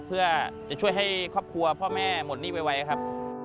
เพื่อจะช่วยให้ครอบครัวพ่อแม่หมดหนี้ไวครับ